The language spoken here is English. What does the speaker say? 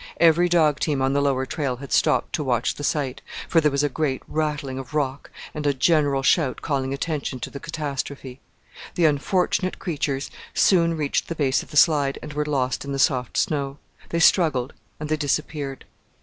Every dog team on the lower trail had stopped to watch the sight, for there was a great rattling of rock and a general shout calling attention to the catastrophe. The unfortunate creatures soon reached the base of the slide and were lost in the soft snow. They struggled, and they disappeared.